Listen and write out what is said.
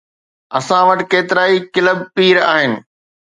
اسان وٽ ڪيترائي ڪلب پير آهن.